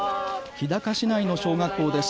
日高市内の小学校です。